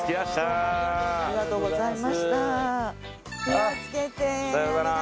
ありがとうございます。